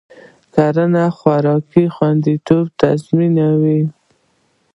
کرنه خوراکي خوندیتوب تضمینوي.